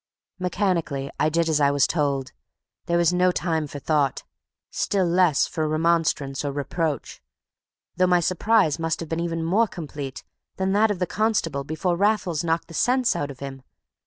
Mechanically I did as I was told. There was no time for thought, still less for remonstrance or reproach, though my surprise must have been even more complete than that of the constable before Raffles knocked the sense out of him.